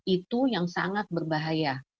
itu yang sangat berbahaya